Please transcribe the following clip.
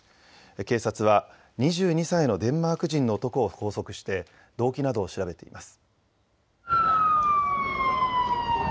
警察は２２歳のデンマーク人の男を拘束して動機などを調べています。